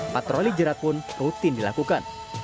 patroli jerat pun rutin dilakukan